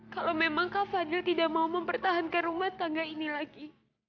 kalau memang kak fadil tidak mau mempertahankan rumah tangga ini lagi